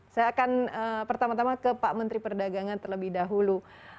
saya akan pertama tama ke pak menteri perdagangan terlebih dahulu